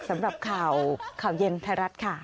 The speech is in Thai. สำหรับข่าวข่าวเย็นไทรรัสค่ะ